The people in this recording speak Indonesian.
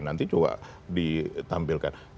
nanti coba ditampilkan